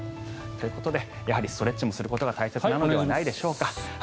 ということでやはりストレッチをすることも大切なのではないでしょうか。